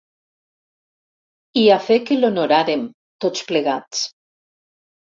I a fe que l'honoràrem, tots plegats.